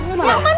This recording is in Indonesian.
dia mau apaan